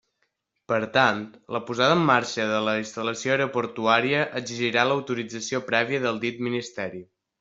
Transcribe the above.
Per tant, la posada en marxa de la instal·lació aeroportuària exigirà l'autorització prèvia del dit ministeri.